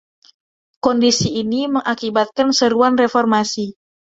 Kondisi ini mengakibatkan seruan reformasi.